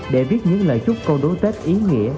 để viết những lời chúc câu đối tết ý nghĩa